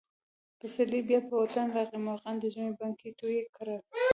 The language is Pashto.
پسرلی بیا په وطن راغی. مرغانو د ژمي بڼکې تویې کړلې.